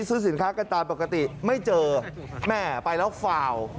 ซื้อสินค้ากันตามปกติไม่เจอแม่ไปแล้วฟาว